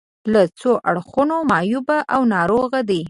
له څو اړخونو معیوب او ناروغ دي.